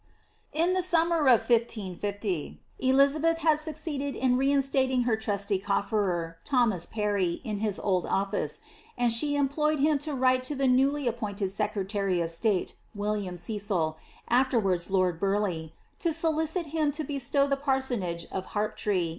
'' In the summer of 1550, Elizabeth had succeeded in reinstating her trusty coflerer, Thomas Parry, in his old office, and she employed him to write to the newly appointed secretary of state, William Cecil, after wards lord Burghley, to solicit him to bestow the parsonage of Harp iree.